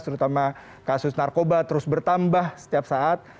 terutama kasus narkoba terus bertambah setiap saat